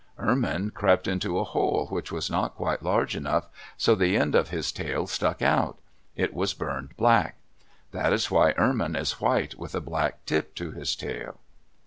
Ermine crept into a hole which was not quite large enough, so the end of his tail stuck out. It was burned black. That is why Ermine is white with a black tip to his tail.